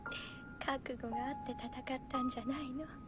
覚悟があって戦ったんじゃないの？